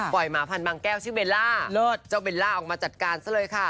หมาพันธ์บางแก้วชื่อเบลล่าเลิศเจ้าเบลล่าออกมาจัดการซะเลยค่ะ